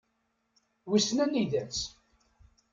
Wissen anida-tt?